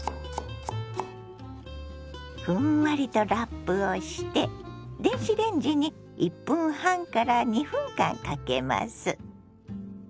ふんわりとラップをして電子レンジに１分半から２分間かけます。